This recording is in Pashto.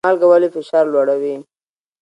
مالګه ولې فشار لوړوي؟